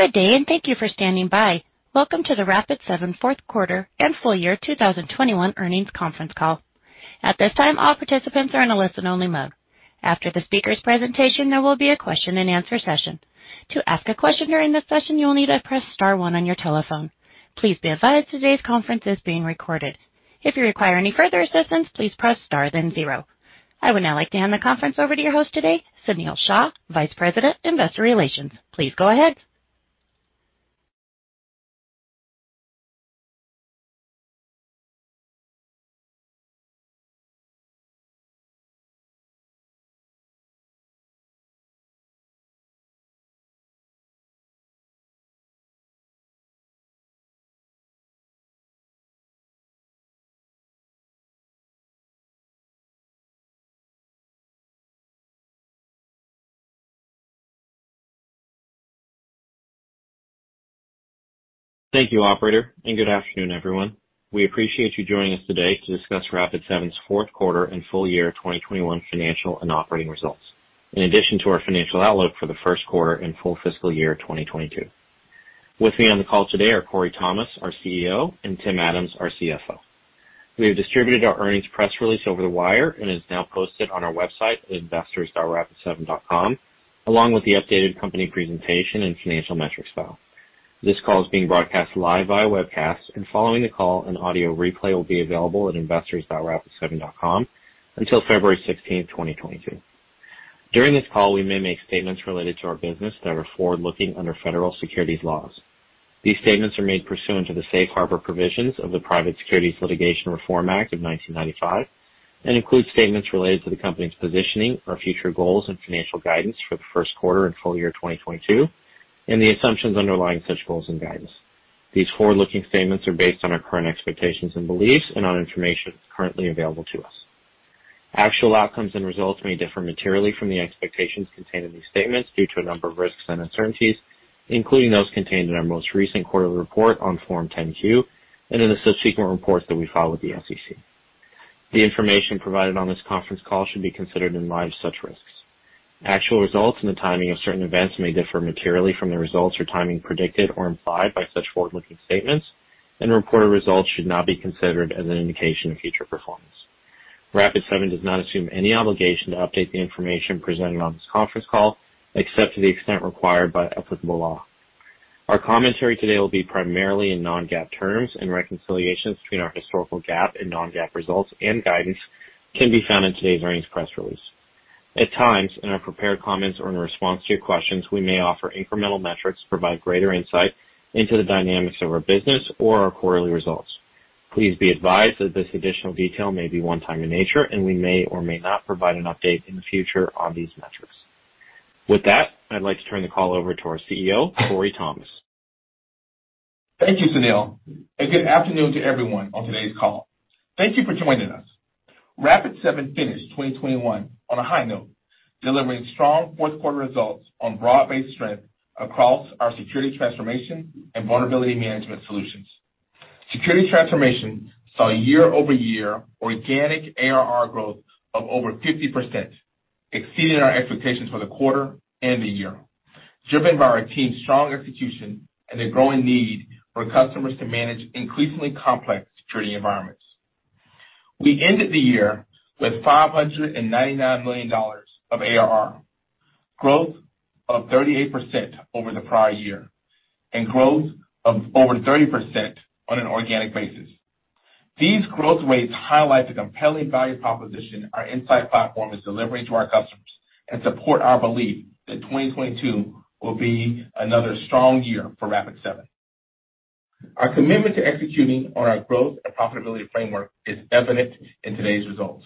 Good day, and thank you for standing by. Welcome to the Rapid7 fourth quarter and full year 2021 earnings conference call. At this time, all participants are in a listen-only mode. After the speaker's presentation, there will be a question-and-answer session. To ask a question during this session, you will need to press star one on your telephone. Please be advised today's conference is being recorded. If you require any further assistance, please press star then zero. I would now like to hand the conference over to your host today, Sunil Shah, Vice President, Investor Relations. Please go ahead. Thank you, operator, and good afternoon, everyone. We appreciate you joining us today to discuss Rapid7's fourth quarter and full year 2021 financial and operating results, in addition to our financial outlook for the first quarter and full fiscal year 2022. With me on the call today are Corey Thomas, our CEO, and Tim Adams, our CFO. We have distributed our earnings press release over the wire, and it is now posted on our website at investors.rapid7.com, along with the updated company presentation and financial metrics file. This call is being broadcast live via webcast, and following the call, an audio replay will be available at investors.rapid7.com until February 16th, 2022. During this call, we may make statements related to our business that are forward-looking under federal securities laws. These statements are made pursuant to the Safe Harbor Provisions of the Private Securities Litigation Reform Act of 1995 and include statements related to the company's positioning or future goals and financial guidance for the first quarter and full year 2022, and the assumptions underlying such goals and guidance. These forward-looking statements are based on our current expectations and beliefs and on information currently available to us. Actual outcomes and results may differ materially from the expectations contained in these statements due to a number of risks and uncertainties, including those contained in our most recent quarterly report on Form 10-Q and in the subsequent reports that we file with the SEC. The information provided on this conference call should be considered in light of such risks. Actual results and the timing of certain events may differ materially from the results or timing predicted or implied by such forward-looking statements, and reported results should not be considered as an indication of future performance. Rapid7 does not assume any obligation to update the information presented on this conference call, except to the extent required by applicable law. Our commentary today will be primarily in non-GAAP terms, and reconciliations between our historical GAAP and non-GAAP results and guidance can be found in today's earnings press release. At times, in our prepared comments or in response to your questions, we may offer incremental metrics to provide greater insight into the dynamics of our business or our quarterly results. Please be advised that this additional detail may be one-time in nature, and we may or may not provide an update in the future on these metrics. With that, I'd like to turn the call over to our CEO, Corey Thomas. Thank you, Sunil, and good afternoon to everyone on today's call. Thank you for joining us. Rapid7 finished 2021 on a high note, delivering strong fourth quarter results on broad-based strength across our security transformation and vulnerability management solutions. Security transformation saw year-over-year organic ARR growth of over 50%, exceeding our expectations for the quarter and the year, driven by our team's strong execution and the growing need for customers to manage increasingly complex security environments. We ended the year with $599 million of ARR, growth of 38% over the prior year, and growth of over 30% on an organic basis. These growth rates highlight the compelling value proposition our Insight Platform is delivering to our customers and support our belief that 2022 will be another strong year for Rapid7. Our commitment to executing on our growth and profitability framework is evident in today's results.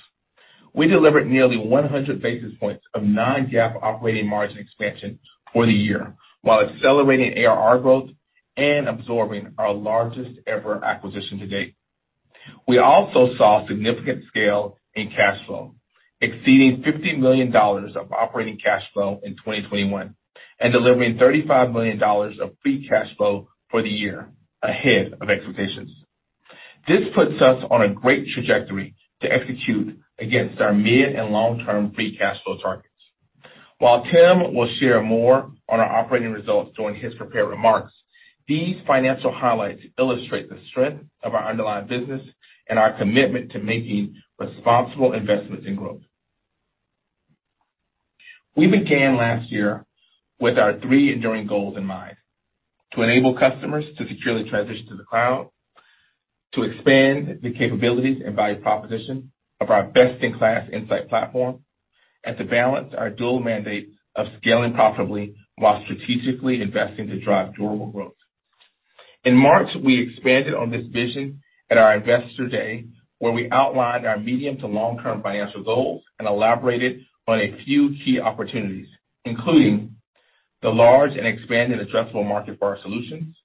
We delivered nearly 100 basis points of non-GAAP operating margin expansion for the year while accelerating ARR growth and absorbing our largest ever acquisition to date. We also saw significant scale in cash flow, exceeding $50 million of operating cash flow in 2021, and delivering $35 million of free cash flow for the year, ahead of expectations. This puts us on a great trajectory to execute against our mid and long-term free cash flow targets. While Tim will share more on our operating results during his prepared remarks, these financial highlights illustrate the strength of our underlying business and our commitment to making responsible investments in growth. We began last year with our three enduring goals in mind: to enable customers to securely transition to the cloud, to expand the capabilities and value proposition of our best-in-class Insight Platform, and to balance our dual mandate of scaling profitably while strategically investing to drive durable growth. In March, we expanded on this vision at our Investor Day, where we outlined our medium- to long-term financial goals and elaborated on a few key opportunities, including the large and expanding addressable market for our solutions,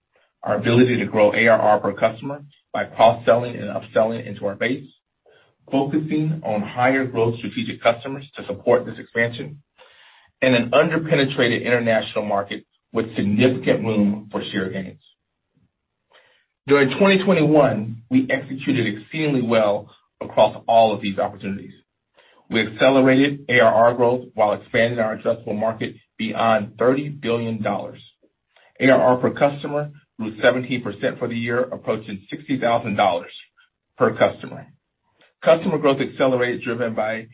our ability to grow ARR per customer by cross-selling and upselling into our base, focusing on higher growth strategic customers to support this expansion, and an under-penetrated international market with significant room for share gains. During 2021, we executed exceedingly well across all of these opportunities. We accelerated ARR growth while expanding our addressable market beyond $30 billion. ARR per customer grew 17% for the year, approaching $60,000 per customer. Customer growth accelerated, driven by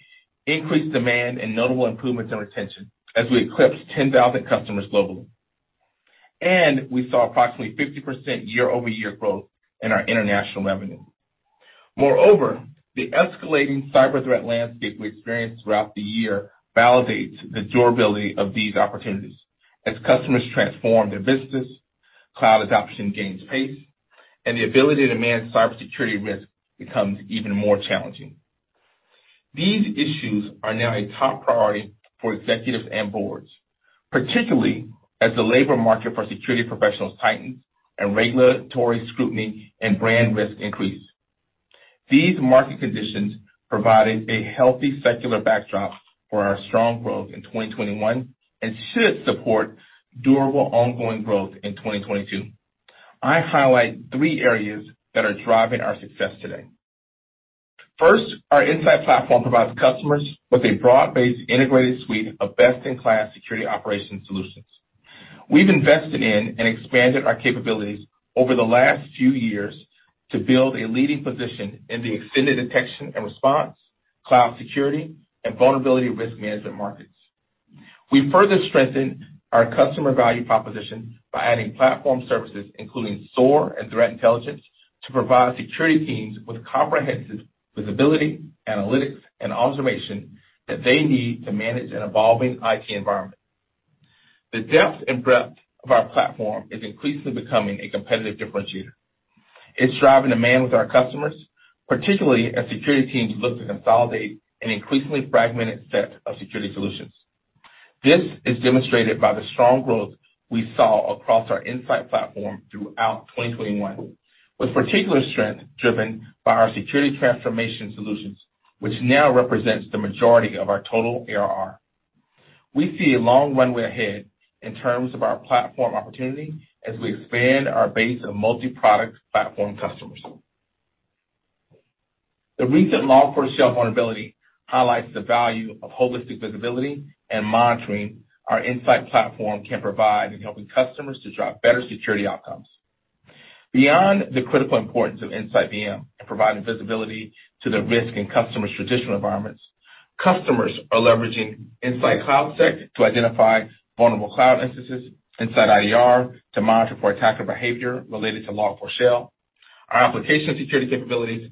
increased demand and notable improvements in retention as we eclipsed 10,000 customers globally. We saw approximately 50% year-over-year growth in our international revenue. Moreover, the escalating cyber threat landscape we experienced throughout the year validates the durability of these opportunities as customers transform their business, cloud adoption gains pace, and the ability to manage cybersecurity risk becomes even more challenging. These issues are now a top priority for executives and boards, particularly as the labor market for security professionals tightens and regulatory scrutiny and brand risk increase. These market conditions provided a healthy secular backdrop for our strong growth in 2021 and should support durable ongoing growth in 2022. I highlight three areas that are driving our success today. First, our Insight Platform provides customers with a broad-based integrated suite of best-in-class security operations solutions. We've invested in and expanded our capabilities over the last few years to build a leading position in the extended detection and response, cloud security, and vulnerability risk management markets. We further strengthened our customer value proposition by adding platform services, including SOAR and threat intelligence, to provide security teams with comprehensive visibility, analytics, and orchestration that they need to manage an evolving IT environment. The depth and breadth of our platform is increasingly becoming a competitive differentiator. It's driving demand with our customers, particularly as security teams look to consolidate an increasingly fragmented set of security solutions. This is demonstrated by the strong growth we saw across our Insight Platform throughout 2021, with particular strength driven by our security transformation solutions, which now represents the majority of our total ARR. We see a long runway ahead in terms of our platform opportunity as we expand our base of multi-product platform customers. The recent Log4Shell vulnerability highlights the value of holistic visibility and monitoring our Insight Platform can provide in helping customers to drive better security outcomes. Beyond the critical importance of InsightVM in providing visibility to the risk in customers' traditional environments, customers are leveraging InsightCloudSec to identify vulnerable cloud instances, InsightIDR to monitor for attacker behavior related to Log4Shell, our application security capabilities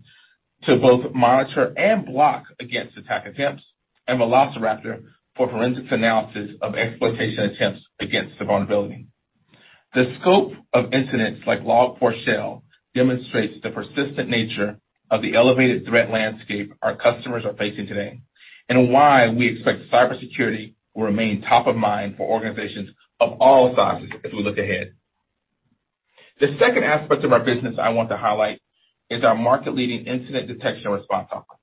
to both monitor and block against attack attempts, and Velociraptor for forensics analysis of exploitation attempts against the vulnerability. The scope of incidents like Log4Shell demonstrates the persistent nature of the elevated threat landscape our customers are facing today, and why we expect cybersecurity will remain top of mind for organizations of all sizes as we look ahead. The second aspect of our business I want to highlight is our market-leading incident detection and response offering.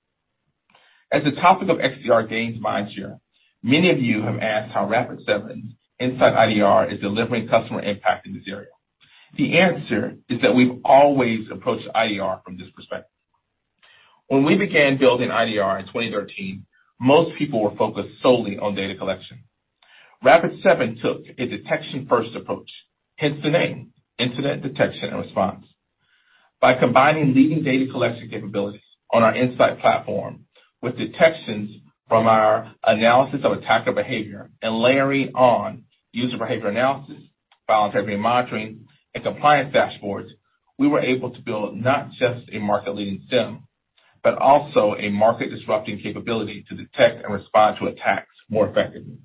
As the topic of XDR gains mindshare, many of you have asked how Rapid7 InsightIDR is delivering customer impact in this area. The answer is that we've always approached IDR from this perspective. When we began building IDR in 2013, most people were focused solely on data collection. Rapid7 took a detection-first approach, hence the name Incident Detection and Response. By combining leading data collection capabilities on our Insight Platform with detections from our analysis of attacker behavior and layering on user behavior analysis, file integrity monitoring, and compliance dashboards, we were able to build not just a market-leading SIEM, but also a market-disrupting capability to detect and respond to attacks more effectively.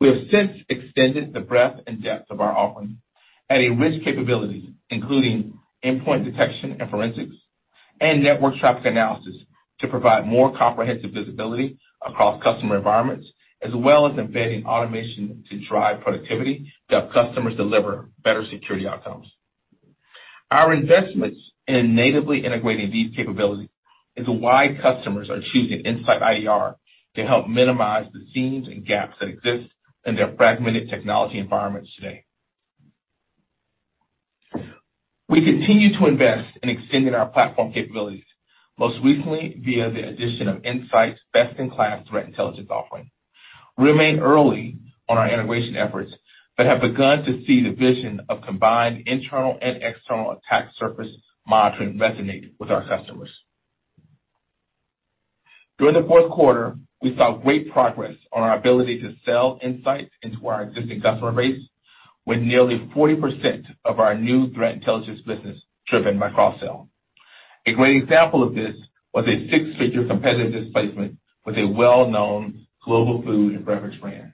We have since extended the breadth and depth of our offering, adding rich capabilities, including endpoint detection and forensics and network traffic analysis to provide more comprehensive visibility across customer environments, as well as embedding automation to drive productivity to help customers deliver better security outcomes. Our investments in natively integrating these capabilities into InsightIDR, which is why customers are choosing InsightIDR to help minimize the seams and gaps that exist in their fragmented technology environments today. We continue to invest in extending our platform capabilities, most recently via the addition of IntSights' best-in-class threat intelligence offering. We remain early on our integration efforts, but have begun to see the vision of combined internal and external attack surface monitoring resonate with our customers. During the fourth quarter, we saw great progress on our ability to sell IntSights into our existing customer base, with nearly 40% of our new threat intelligence business driven by cross-sell. A great example of this was a six-figure competitive displacement with a well-known global food and beverage brand.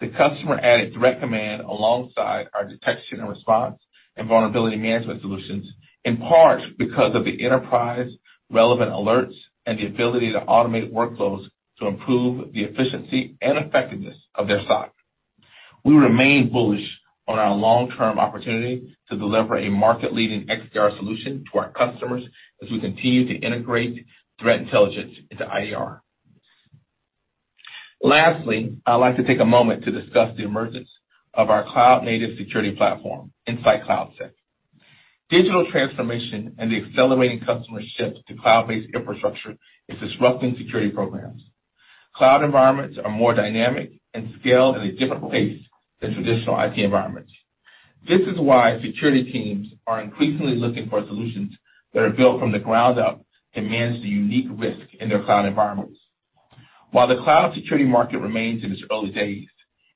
The customer added Threat Command alongside our detection and response and vulnerability management solutions, in part because of the enterprise-relevant alerts and the ability to automate workflows to improve the efficiency and effectiveness of their SOC. We remain bullish on our long-term opportunity to deliver a market-leading XDR solution to our customers as we continue to integrate threat intelligence into IDR. Lastly, I'd like to take a moment to discuss the emergence of our cloud-native security platform, InsightCloudSec. Digital transformation and the accelerating customer shift to cloud-based infrastructure is disrupting security programs. Cloud environments are more dynamic and scale at a different pace than traditional IT environments. This is why security teams are increasingly looking for solutions that are built from the ground up to manage the unique risk in their cloud environments. While the cloud security market remains in its early days,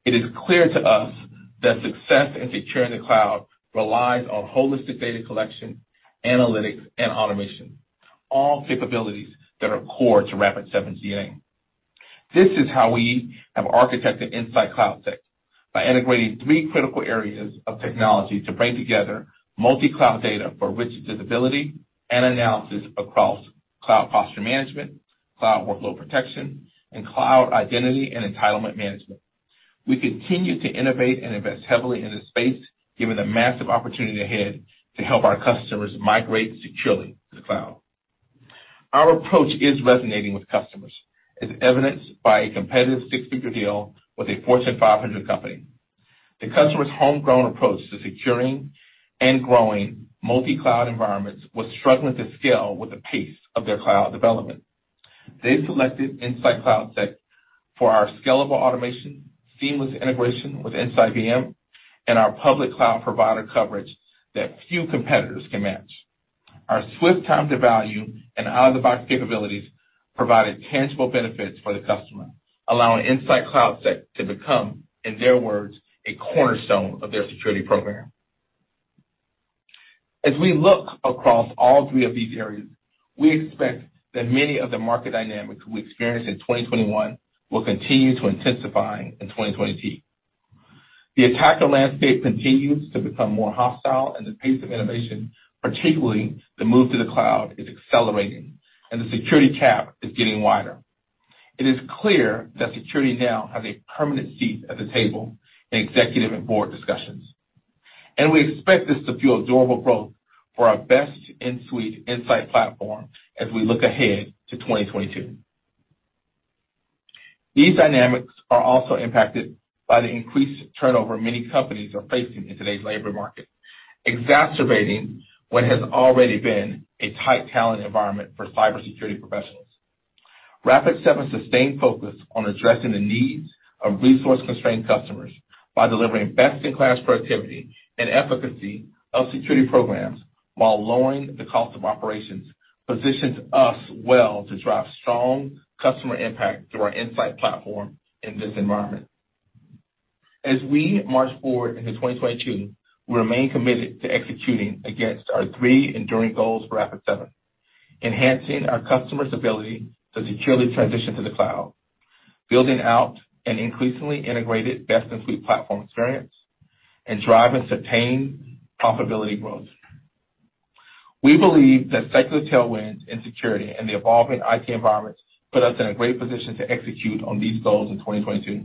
it is clear to us that success in securing the cloud relies on holistic data collection, analytics, and automation, all capabilities that are core to Rapid7's DNA. This is how we have architected InsightCloudSec, by integrating three critical areas of technology to bring together multi-cloud data for rich visibility and analysis across cloud posture management, cloud workload protection, and cloud identity and entitlement management. We continue to innovate and invest heavily in this space, given the massive opportunity ahead to help our customers migrate securely to the cloud. Our approach is resonating with customers, as evidenced by a competitive six-figure deal with a Fortune 500 company. The customer's homegrown approach to securing and growing multi-cloud environments was struggling to scale with the pace of their cloud development. They selected InsightCloudSec for our scalable automation, seamless integration with InsightVM, and our public cloud provider coverage that few competitors can match. Our swift time to value and out-of-the-box capabilities provided tangible benefits for the customer, allowing InsightCloudSec to become, in their words, a cornerstone of their security program. As we look across all three of these areas, we expect that many of the market dynamics we experienced in 2021 will continue to intensify in 2022. The attacker landscape continues to become more hostile and the pace of innovation, particularly the move to the cloud, is accelerating and the security gap is getting wider. It is clear that security now has a permanent seat at the table in executive and board discussions, and we expect this to fuel durable growth for our best-of-suite Insight Platform as we look ahead to 2022. These dynamics are also impacted by the increased turnover many companies are facing in today's labor market, exacerbating what has already been a tight talent environment for cybersecurity professionals. Rapid7's sustained focus on addressing the needs of resource-constrained customers by delivering best-in-class productivity and efficacy of security programs while lowering the cost of operations positions us well to drive strong customer impact through our Insight Platform in this environment. We march forward into 2022, we remain committed to executing against our three enduring goals for Rapid7, enhancing our customers' ability to securely transition to the cloud, building out an increasingly integrated best-of-suite platform experience, and drive and sustain profitability growth. We believe that secular tailwinds in security and the evolving IT environment put us in a great position to execute on these goals in 2022,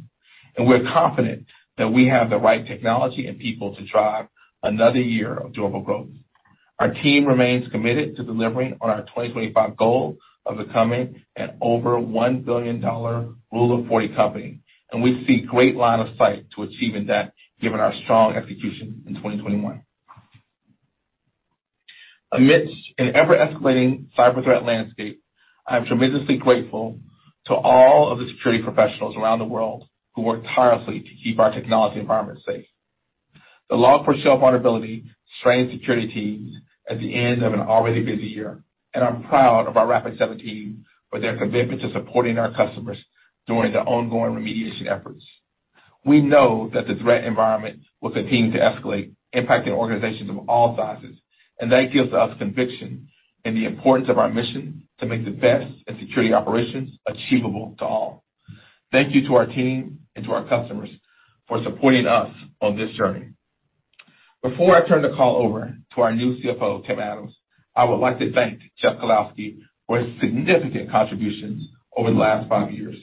and we're confident that we have the right technology and people to drive another year of durable growth. Our team remains committed to delivering on our 2025 goal of becoming a $1 billion Rule of 40 company, and we see great line of sight to achieving that given our strong execution in 2021. Amidst an ever-escalating cyber threat landscape, I am tremendously grateful to all of the security professionals around the world who work tirelessly to keep our technology environment safe. The Log4Shell vulnerability strained security teams at the end of an already busy year, and I'm proud of our Rapid7 team for their commitment to supporting our customers during the ongoing remediation efforts. We know that the threat environment will continue to escalate, impacting organizations of all sizes, and that gives us conviction in the importance of our mission to make the best in security operations achievable to all. Thank you to our team and to our customers for supporting us on this journey. Before I turn the call over to our new CFO, Tim Adams, I would like to thank Jeff Kalowski for his significant contributions over the last five years.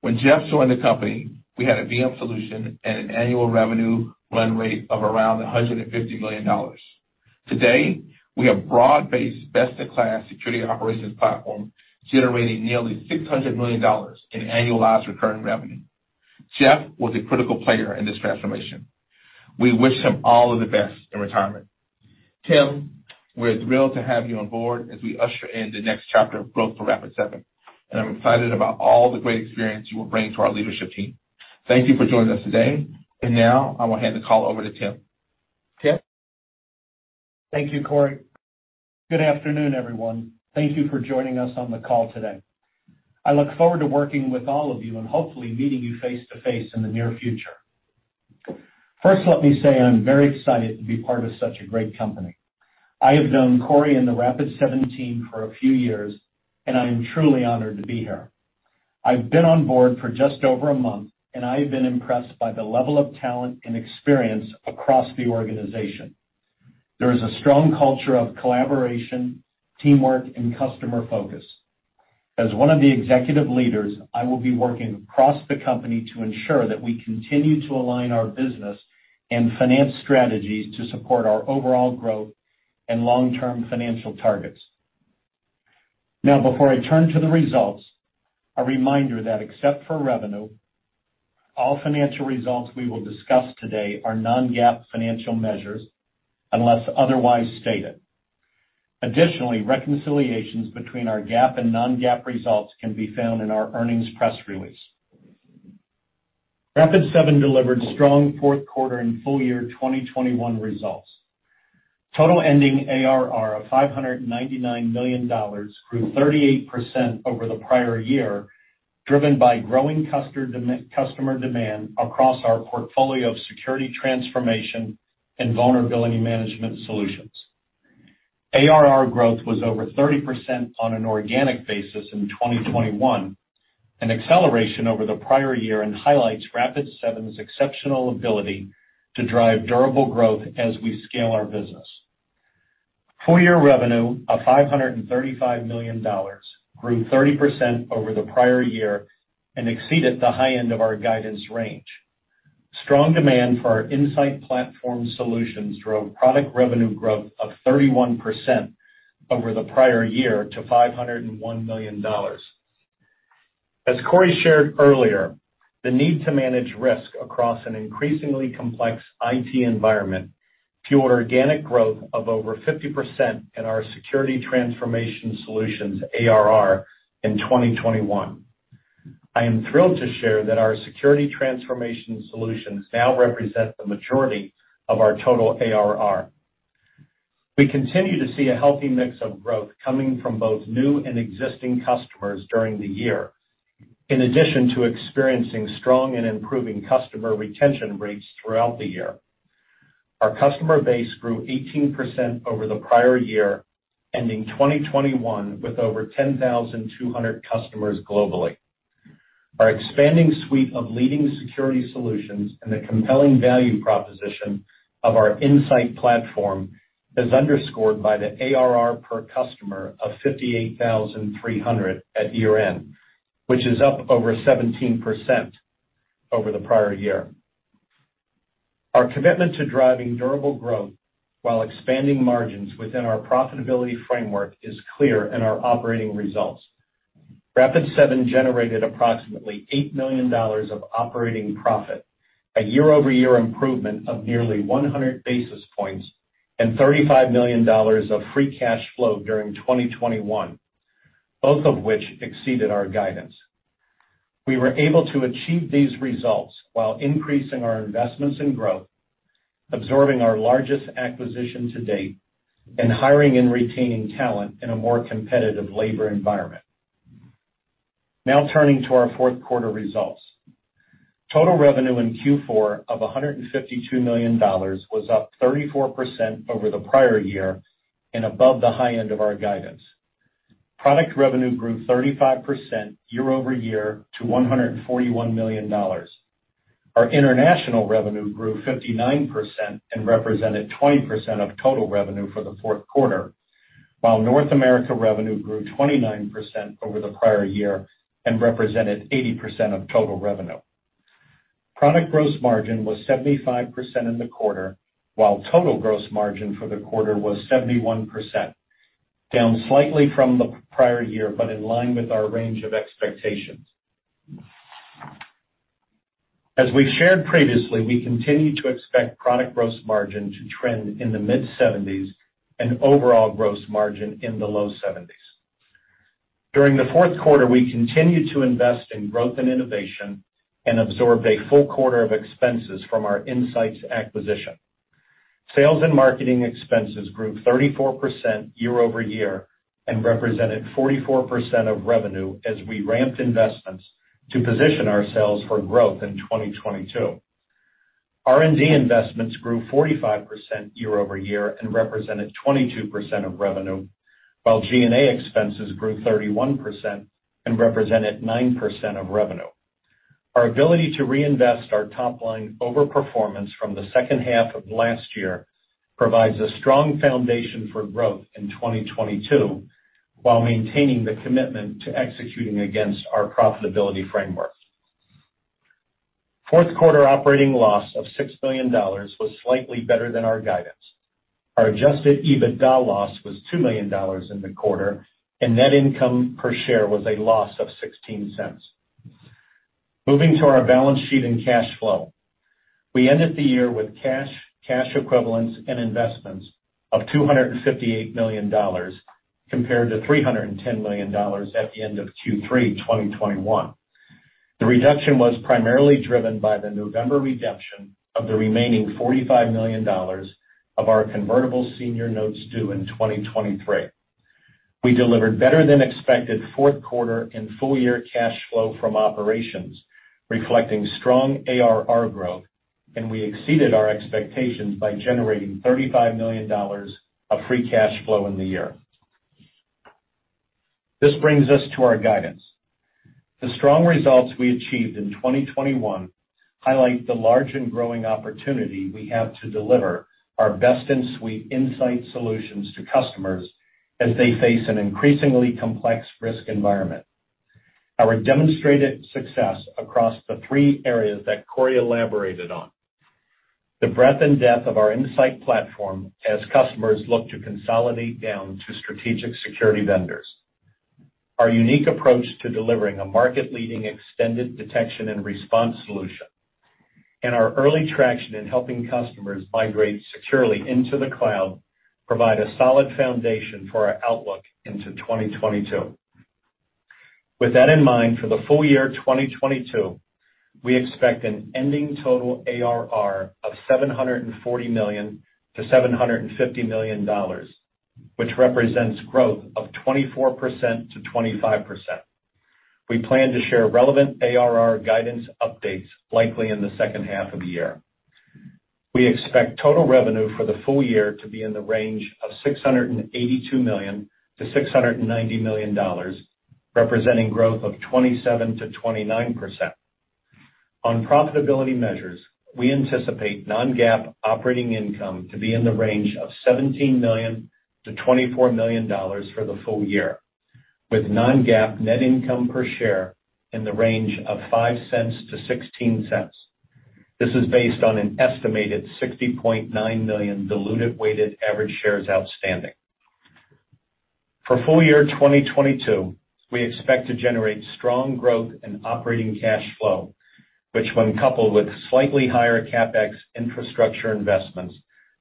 When Jeff joined the company, we had a VM solution and an annual revenue run rate of around $150 million. Today, we have broad-based, best-in-class security operations platform generating nearly $600 million in annualized recurring revenue. Jeff was a critical player in this transformation. We wish him all of the best in retirement. Tim, we're thrilled to have you on board as we usher in the next chapter of growth for Rapid7, and I'm excited about all the great experience you will bring to our leadership team. Thank you for joining us today. Now I will hand the call over to Tim. Tim? Thank you, Corey. Good afternoon, everyone. Thank you for joining us on the call today. I look forward to working with all of you and hopefully meeting you face-to-face in the near future. First, let me say I'm very excited to be part of such a great company. I have known Corey and the Rapid7 team for a few years, and I am truly honored to be here. I've been on board for just over a month, and I have been impressed by the level of talent and experience across the organization. There is a strong culture of collaboration, teamwork, and customer focus. As one of the executive leaders, I will be working across the company to ensure that we continue to align our business and finance strategies to support our overall growth and long-term financial targets. Now, before I turn to the results, a reminder that except for revenue, all financial results we will discuss today are non-GAAP financial measures unless otherwise stated. Additionally, reconciliations between our GAAP and non-GAAP results can be found in our earnings press release. Rapid7 delivered strong fourth quarter and full year 2021 results. Total ending ARR of $599 million grew 38% over the prior year, driven by growing customer demand across our portfolio of security transformation and vulnerability management solutions. ARR growth was over 30% on an organic basis in 2021, an acceleration over the prior year, and highlights Rapid7's exceptional ability to drive durable growth as we scale our business. Full-year revenue of $535 million grew 30% over the prior year and exceeded the high end of our guidance range. Strong demand for our Insight Platform solutions drove product revenue growth of 31% over the prior year to $501 million. As Corey shared earlier, the need to manage risk across an increasingly complex IT environment fueled organic growth of over 50% in our security transformation solutions ARR in 2021. I am thrilled to share that our security transformation solutions now represent the majority of our total ARR. We continue to see a healthy mix of growth coming from both new and existing customers during the year. In addition to experiencing strong and improving customer retention rates throughout the year, our customer base grew 18% over the prior year, ending 2021 with over 10,200 customers globally. Our expanding suite of leading security solutions and the compelling value proposition of our Insight Platform is underscored by the ARR per customer of $58,300 at year-end, which is up over 17% over the prior year. Our commitment to driving durable growth while expanding margins within our profitability framework is clear in our operating results. Rapid7 generated approximately $8 million of operating profit, a year-over-year improvement of nearly 100 basis points and $35 million of free cash flow during 2021, both of which exceeded our guidance. We were able to achieve these results while increasing our investments in growth, absorbing our largest acquisition to date, and hiring and retaining talent in a more competitive labor environment. Now turning to our fourth quarter results. Total revenue in Q4 of $152 million was up 34% over the prior year and above the high-end of our guidance. Product revenue grew 35% year-over-year to $141 million. Our international revenue grew 59% and represented 20% of total revenue for the fourth quarter, while North America revenue grew 29% over the prior year and represented 80% of total revenue. Product gross margin was 75% in the quarter, while total gross margin for the quarter was 71%, down slightly from the prior year, but in line with our range of expectations. As we shared previously, we continue to expect product gross margin to trend in the mid-seventies and overall gross margin in the low seventies. During the fourth quarter, we continued to invest in growth and innovation and absorbed a full quarter of expenses from our IntSights acquisition. Sales and marketing expenses grew 34% year-over-year and represented 44% of revenue as we ramped investments to position ourselves for growth in 2022. R&D investments grew 45% year-over-year and represented 22% of revenue, while G&A expenses grew 31% and represented 9% of revenue. Our ability to reinvest our top line overperformance from the second half of last year provides a strong foundation for growth in 2022, while maintaining the commitment to executing against our profitability framework. Fourth quarter operating loss of $6 million was slightly better than our guidance. Our adjusted EBITDA loss was $2 million in the quarter, and net income per share was a loss of $0.16. Moving to our balance sheet and cash flow. We ended the year with cash equivalents and investments of $258 million compared to $310 million at the end of Q3 2021. The reduction was primarily driven by the November redemption of the remaining $45 million of our convertible senior notes due in 2023. We delivered better than expected fourth quarter and full year cash flow from operations, reflecting strong ARR growth, and we exceeded our expectations by generating $35 million of free cash flow in the year. This brings us to our guidance. The strong results we achieved in 2021 highlight the large and growing opportunity we have to deliver our best-of-suite IntSights solutions to customers as they face an increasingly complex risk environment. Our demonstrated success across the three areas that Corey elaborated on, the breadth and depth of our Insight Platform as customers look to consolidate down to strategic security vendors, our unique approach to delivering a market-leading extended detection and response solution, and our early traction in helping customers migrate securely into the cloud, provide a solid foundation for our outlook into 2022. With that in mind, for the full year 2022, we expect an ending total ARR of $740 million-$750 million, which represents growth of 24%-25%. We plan to share relevant ARR guidance updates likely in the second half of the year. We expect total revenue for the full year to be in the range of $682 million-$690 million, representing growth of 27%-29%. On profitability measures, we anticipate non-GAAP operating income to be in the range of $17 million-$24 million for the full year, with non-GAAP net income per share in the range of $0.05-$0.16. This is based on an estimated 60.9 million diluted weighted average shares outstanding. For full year 2022, we expect to generate strong growth and operating cash flow, which when coupled with slightly higher CapEx infrastructure investments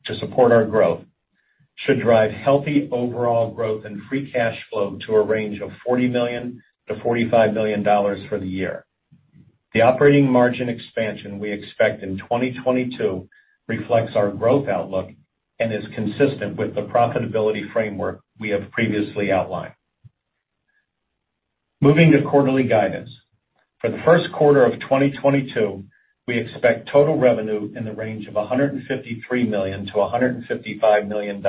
to support our growth, should drive healthy overall growth and free cash flow to a range of $40 million-$45 million for the year. The operating margin expansion we expect in 2022 reflects our growth outlook and is consistent with the profitability framework we have previously outlined. Moving to quarterly guidance. For the first quarter of 2022, we expect total revenue in the range of $153 million-$155 million,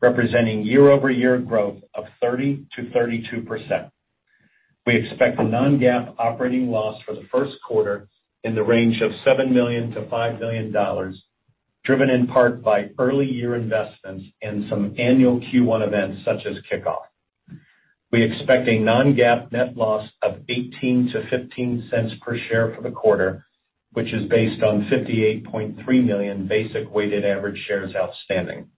representing year-over-year growth of 30%-32%. We expect a non-GAAP operating loss for the first quarter in the range of $7 million-$5 million, driven in part by early year investments and some annual Q1 events such as kickoff. We expect a non-GAAP net loss of $0.18-$0.15 per share for the quarter, which is based on 58.3 million basic weighted average shares outstanding.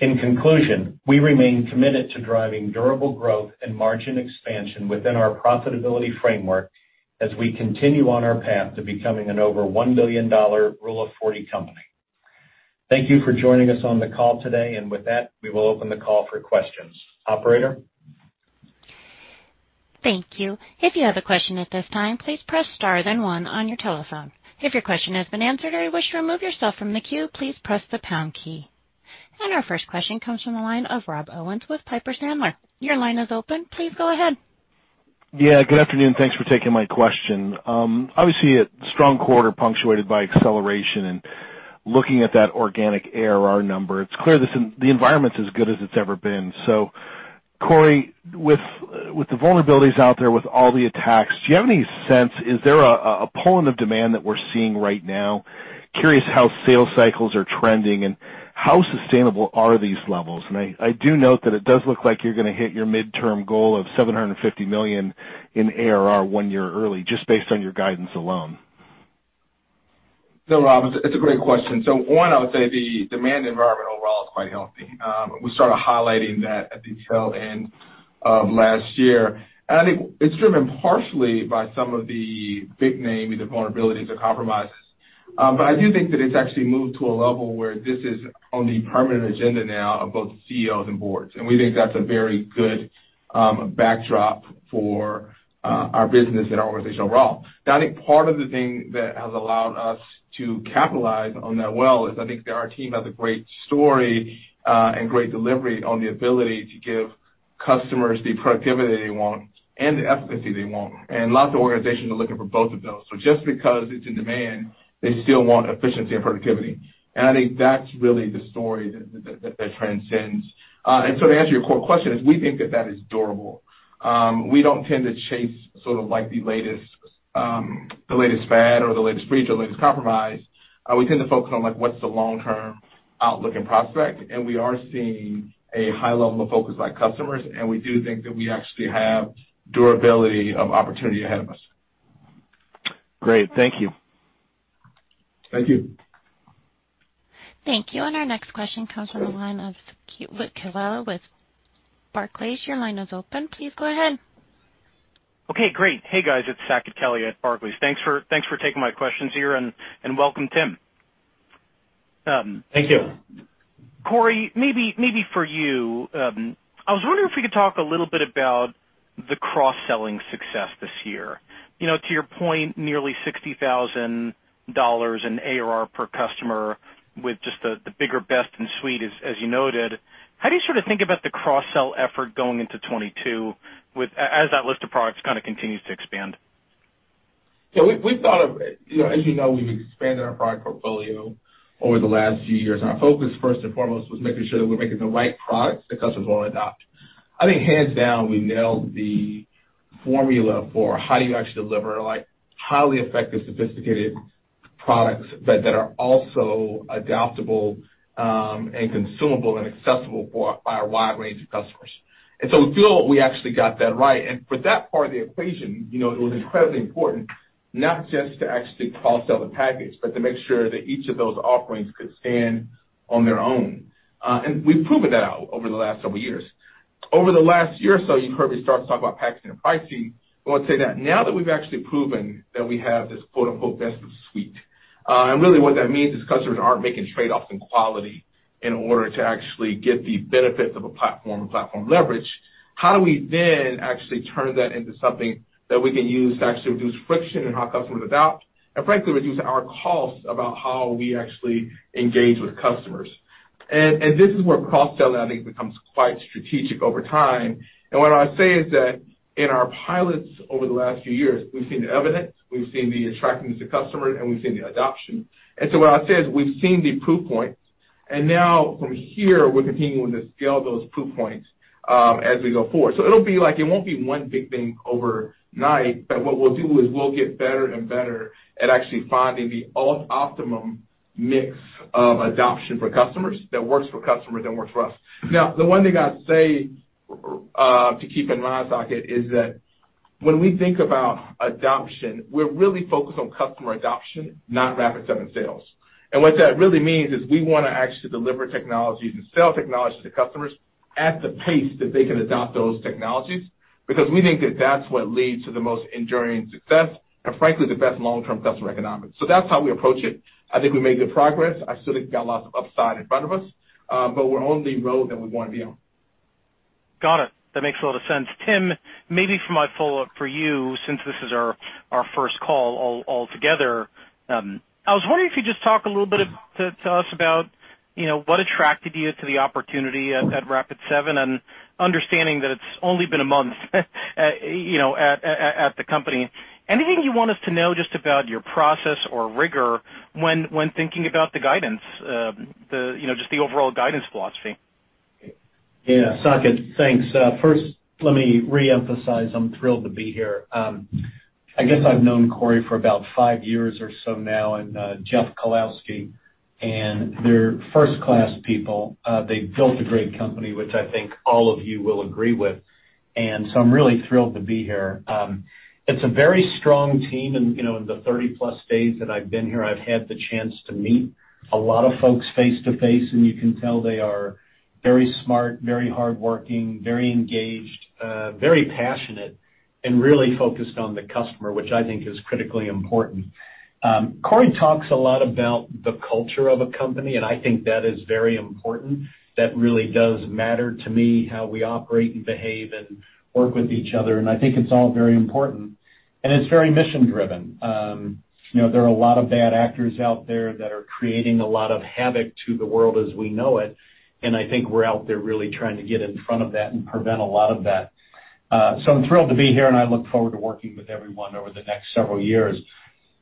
In conclusion, we remain committed to driving durable growth and margin expansion within our profitability framework as we continue on our path to becoming an over $1 billion Rule of 40 company. Thank you for joining us on the call today. With that, we will open the call for questions. Operator? Thank you. If you have a question at this time, please press star then one on your telephone. If your question has been answered or you wish to remove yourself from the queue, please press the pound key. Our first question comes from the line of Rob Owens with Piper Sandler. Your line is open. Please go ahead. Yeah, good afternoon. Thanks for taking my question. Obviously a strong quarter punctuated by acceleration and looking at that organic ARR number, it's clear the environment's as good as it's ever been. Corey, with the vulnerabilities out there, with all the attacks, do you have any sense, is there a pull in of demand that we're seeing right now? Curious how sales cycles are trending and how sustainable are these levels? I do note that it does look like you're gonna hit your midterm goal of $750 million in ARR one year early, just based on your guidance alone. Rob, it's a great question. One, I would say the demand environment overall is quite healthy. We started highlighting that at the tail end of last year. I think it's driven partially by some of the big name, the vulnerabilities or compromises. I do think that it's actually moved to a level where this is on the permanent agenda now of both CEOs and boards. We think that's a very good backdrop for our business and our organization overall. Now I think part of the thing that has allowed us to capitalize on that well, is I think that our team has a great story and great delivery on the ability to give customers the productivity they want and the efficacy they want. Lots of organizations are looking for both of those. Just because it's in demand, they still want efficiency and productivity. I think that's really the story that transcends. To answer your core question is we think that that is durable. We don't tend to chase sort of like the latest fad or the latest breach or the latest compromise. We tend to focus on like what's the long-term outlook and prospect, and we are seeing a high level of focus by customers, and we do think that we actually have durability of opportunity ahead of us. Great. Thank you. Thank you. Thank you. Our next question comes from the line of Saket Kalia with Barclays. Your line is open. Please go ahead. Okay, great. Hey guys, it's Saket Kalia at Barclays. Thanks for taking my questions here and welcome, Tim. Thank you. Corey, maybe for you, I was wondering if we could talk a little bit about the cross-selling success this year. You know, to your point, nearly $60,000 in ARR per customer with just the biggest, best, and sweetest, as you noted. How do you sort of think about the cross-sell effort going into 2022 with, as that list of products kinda continues to expand? We thought of, you know, as we've expanded our product portfolio over the last few years, and our focus first and foremost was making sure that we're making the right products that customers wanna adopt. I think hands down, we nailed the formula for how do you actually deliver like highly effective, sophisticated Products that are also adaptable and consumable and accessible by a wide range of customers. We feel we actually got that right. For that part of the equation it was incredibly important not just to actually cross-sell the package, but to make sure that each of those offerings could stand on their own. We've proven that out over the last several years. Over the last year or so, you've heard me start to talk about packaging and pricing. I wanna say that now that we've actually proven that we have this quote-unquote best of suite, and really what that means is customers aren't making trade-offs in quality in order to actually get the benefits of a platform, a platform leverage. How do we then actually turn that into something that we can use to actually reduce friction in how customers adopt, and frankly, reduce our costs about how we actually engage with customers? This is where cross-selling, I think, becomes quite strategic over time. What I would say is that in our pilots over the last few years, we've seen the evidence, we've seen the attractiveness to customers, and we've seen the adoption. What I said is we've seen the proof points, and now from here, we're continuing to scale those proof points, as we go forward. It'll be like it won't be one big thing overnight, but what we'll do is we'll get better and better at actually finding the optimum mix of adoption for customers that works for customers and works for us. Now, the one thing I'd say to keep in mind, Saket, is that when we think about adoption, we're really focused on customer adoption, not Rapid7 sales. What that really means is we wanna actually deliver technologies and sell technology to customers at the pace that they can adopt those technologies, because we think that that's what leads to the most enduring success and frankly, the best long-term customer economics. That's how we approach it. I think we made good progress. I still think we got lots of upside in front of us, but we're on the road that we wanna be on. Got it. That makes a lot of sense. Tim, maybe for my follow-up for you, since this is our first call all together, I was wondering if you'd just talk a little bit to us about, you know, what attracted you to the opportunity at Rapid7, and understanding that it's only been a month, at the company. Anything you want us to know just about your process or rigor when thinking about the guidance, just the overall guidance philosophy? Yeah, Saket, thanks. First let me reemphasize I'm thrilled to be here. I guess I've known Corey for about five years or so now, and Jeff Kalowski, and they're first-class people. They've built a great company, which I think all of you will agree with, and so I'm really thrilled to be here. It's a very strong team, and in the 30+ days that I've been here, I've had the chance to meet a lot of folks face-to-face, and you can tell they are very smart, very hardworking, very engaged, very passionate and really focused on the customer, which I think is critically important. Corey talks a lot about the culture of a company, and I think that is very important. That really does matter to me, how we operate and behave and work with each other, and I think it's all very important, and it's very mission-driven. You know, there are a lot of bad actors out there that are creating a lot of havoc to the world as we know it, and I think we're out there really trying to get in front of that and prevent a lot of that. So I'm thrilled to be here, and I look forward to working with everyone over the next several years.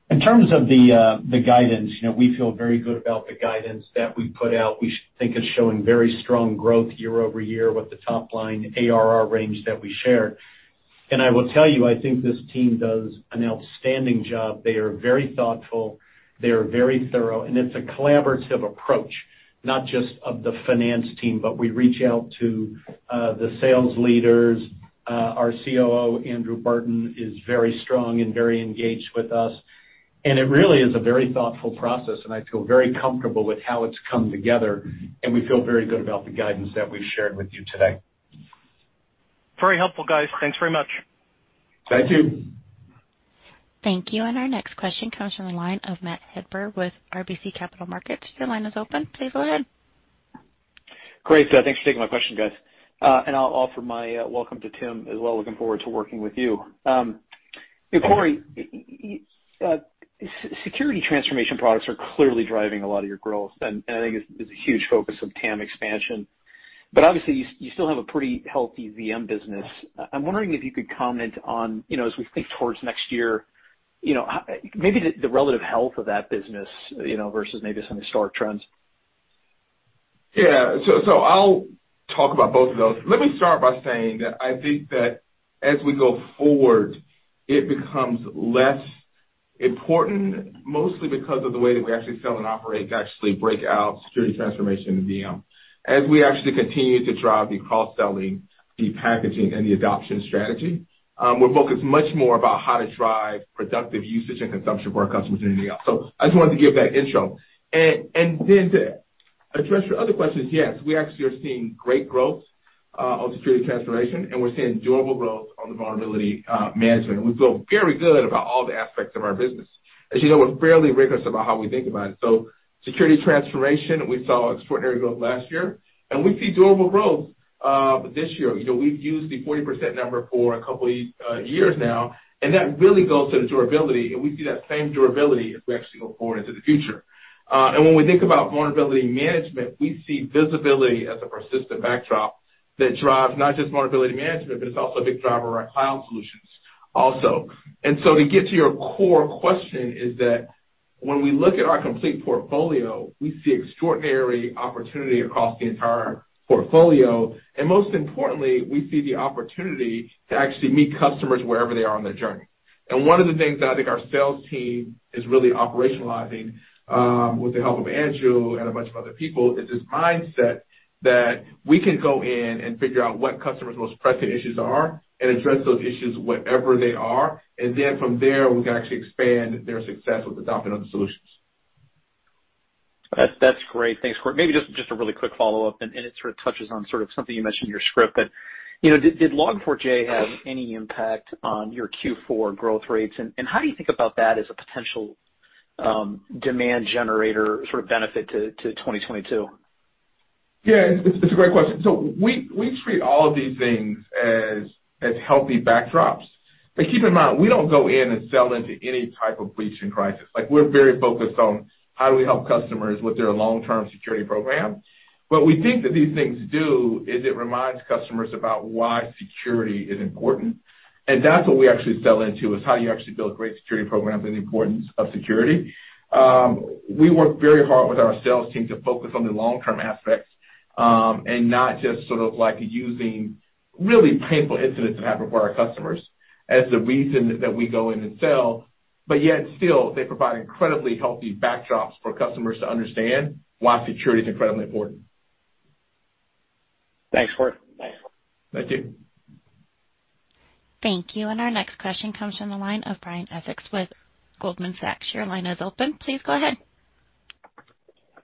In terms of the guidance, we feel very good about the guidance that we put out. We think it's showing very strong growth year over year with the top-line ARR range that we shared. I will tell you, I think this team does an outstanding job. They are very thoughtful, they are very thorough, and it's a collaborative approach, not just of the finance team, but we reach out to the sales leaders, our COO, Andrew Burton, is very strong and very engaged with us. It really is a very thoughtful process, and I feel very comfortable with how it's come together, and we feel very good about the guidance that we've shared with you today. Very helpful, guys. Thanks very much. Thank you. Thank you. Our next question comes from the line of Matt Hedberg with RBC Capital Markets. Your line is open. Please go ahead. Great. Thanks for taking my question, guys. I'll offer my welcome to Tim as well, looking forward to working with you. Corey, security transformation products are clearly driving a lot of your growth, and I think it's a huge focus of TAM expansion. Obviously you still have a pretty healthy VM business. I'm wondering if you could comment on, as we think towards next year, you know, maybe the relative health of that business, versus maybe some historic trends. I'll talk about both of those. Let me start by saying that I think that as we go forward, it becomes less important, mostly because of the way that we actually sell and operate to actually break out security transformation and VM. As we actually continue to drive the cross-selling, the packaging, and the adoption strategy, we're focused much more about how to drive productive usage and consumption for our customers than anything else. I just wanted to give that intro. Then to address your other questions, yes, we actually are seeing great growth on security transformation, and we're seeing durable growth on the vulnerability management. We feel very good about all the aspects of our business. As you know, we're fairly rigorous about how we think about it. Security transformation, we saw extraordinary growth last year, and we see durable growth this year. You know, we've used the 40% number for a couple years now, and that really bodes to the durability, and we see that same durability as we actually go forward into the future. When we think about vulnerability management, we see visibility as a persistent backdrop that drives not just vulnerability management, but it's also a big driver of our cloud solutions also. To get to your core question is that when we look at our complete portfolio, we see extraordinary opportunity across the entire portfolio, and most importantly, we see the opportunity to actually meet customers wherever they are on their journey. One of the things that I think our sales team is really operationalizing, with the help of Andrew and a bunch of other people, is this mindset that we can go in and figure out what customers' most pressing issues are and address those issues wherever they are. Then from there, we can actually expand their success with adopting other solutions. That's great. Thanks, Corey. Maybe just a really quick follow-up, and it sort of touches on sort of something you mentioned in your script. You know, did Log4j have any impact on your Q4 growth rates? How do you think about that as a potential demand generator sort of benefit to 2022? Yeah, it's a great question. We treat all of these things as healthy backdrops. Keep in mind, we don't go in and sell into any type of breach or crisis. Like, we're very focused on how do we help customers with their long-term security program. What we think that these things do is it reminds customers about why security is important. That's what we actually sell into, is how you actually build great security programs and the importance of security. We work very hard with our sales team to focus on the long-term aspects, and not just sort of like using really painful incidents that happen for our customers as the reason that we go in and sell. Yet still, they provide incredibly healthy backdrops for customers to understand why security is incredibly important. Thanks, Corey. Thank you. Thank you. Our next question comes from the line of Brian Essex with Goldman Sachs. Your line is open. Please go ahead.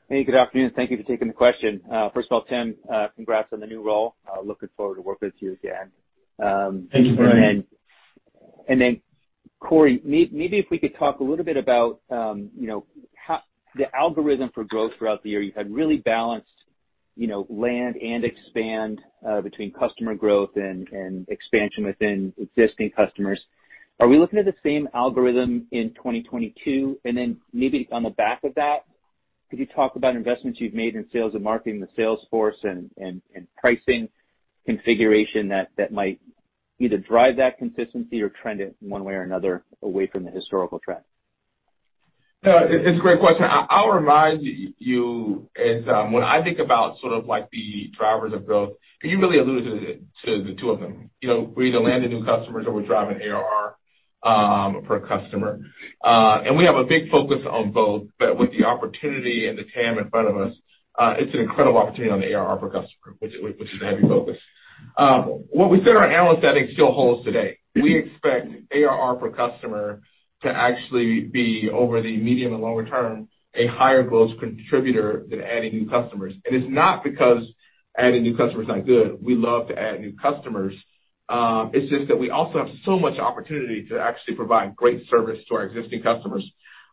Hey, good afternoon. Thank you for taking the question. First of all, Tim, congrats on the new role. Looking forward to working with you again. Thank you, Brian. Corey, maybe if we could talk a little bit about, you know, how the algorithm for growth throughout the year. You had really balanced, land and expand, between customer growth and expansion within existing customers. Are we looking at the same algorithm in 2022? Maybe on the back of that, could you talk about investments you've made in sales and marketing, the sales force and pricing configuration that might either drive that consistency or trend it one way or another away from the historical trend? No, it's a great question. I'll remind you when I think about sort of like the drivers of growth, and you really alluded to the two of them, you know, we either land the new customers or we're driving ARR per customer. And we have a big focus on both. With the opportunity and the TAM in front of us, it's an incredible opportunity on the ARR per customer, which is a heavy focus. What we said on our analyst day, I think still holds today. We expect ARR per customer to actually be, over the medium and longer term, a higher growth contributor than adding new customers. It's not because adding new customers is not good. We love to add new customers. It's just that we also have so much opportunity to actually provide great service to our existing customers.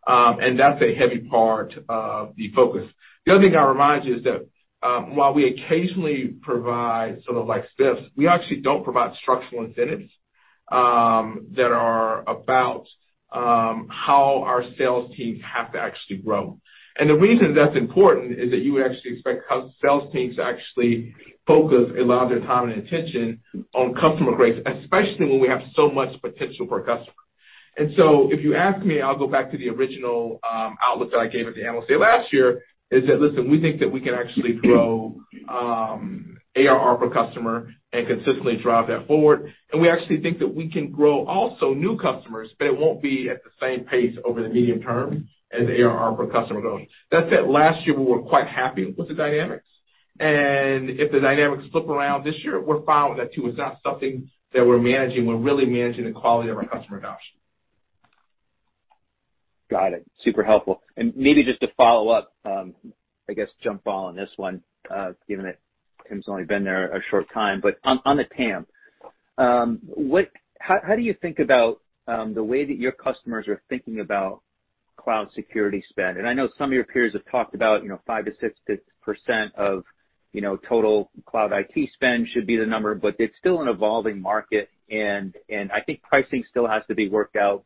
That's a heavy part of the focus. The other thing I'll remind you is that, while we occasionally provide sort of like spiffs, we actually don't provide structural incentives that are about how our sales teams have to actually grow. The reason that's important is that you would actually expect sales teams to actually focus a lot of their time and attention on customer growth, especially when we have so much potential per customer. So if you ask me, I'll go back to the original outlook that I gave at the Analyst Day last year, is that, listen, we think that we can actually grow ARR per customer and consistently drive that forward. We actually think that we can grow also new customers, but it won't be at the same pace over the medium term as the ARR per customer growth. That said, last year, we were quite happy with the dynamics. If the dynamics flip around this year, we're fine with that too. It's not something that we're managing. We're really managing the quality of our customer adoption. Got it. Super helpful. Maybe just to follow up, I guess jump ball on this one, given that Tim's only been there a short time. On the TAM, how do you think about the way that your customers are thinking about cloud security spend? I know some of your peers have talked about, 5%-6% of, you know, total cloud IT spend should be the number, but it's still an evolving market, and I think pricing still has to be worked out.